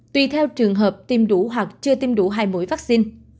tùy theo trường hợp tiêm đủ hoặc chưa tiêm đủ hai mũi vaccine